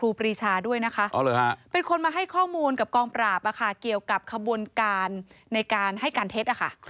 มีคนมาให้ข้อมูลกับกองปราบเกี่ยวกับขบวนการในการให้การเท็จ